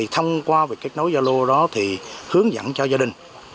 thông qua việc kết nối gia lô đó thì hướng dẫn cho gia đình